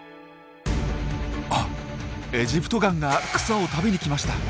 あっエジプトガンが草を食べに来ました。